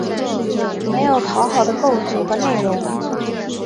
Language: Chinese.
没有讨好的构图与内容